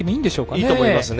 いいと思います。